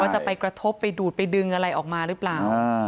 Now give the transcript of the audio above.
จะไปกระทบไปดูดไปดึงอะไรออกมาหรือเปล่า